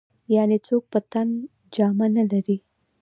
يعنې څوک په تن جامه نه لري.